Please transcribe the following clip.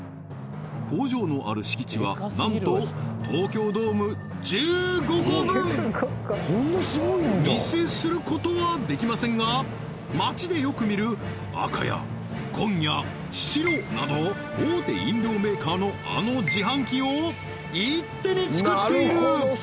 工場のある敷地はなんと東京ドーム１５個分お見せすることはできませんが街でよく見る赤や紺や白など大手飲料メーカーのあの自販機を一手に作っている！